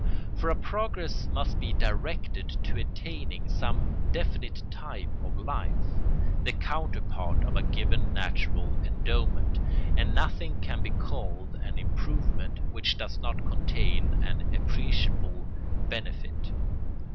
For a progress must be directed to attaining some definite type of life, the counterpart of a given natural endowment, and nothing can be called an improvement which does not contain an appreciable benefit.